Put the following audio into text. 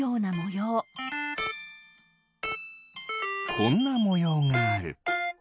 こんなもようがある。